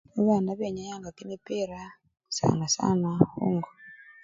Babana benyayanga kimipira sana sana khungo.